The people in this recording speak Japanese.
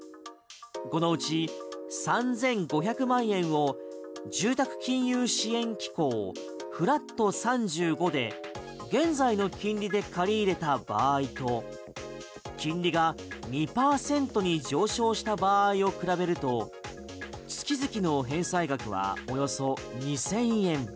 このうち３５００万円を住宅金融支援機構フラット３５で現在の金利で借り入れた場合と金利が２％に上昇した場合を比べると、月々の返済額はおよそ２０００円。